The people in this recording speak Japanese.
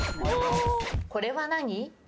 これは何？